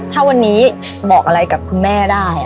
ถ้าวันนี้บอกอะไรกับคุณแม่ได้